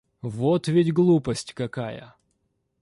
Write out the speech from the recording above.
Вот ведь глупость какая!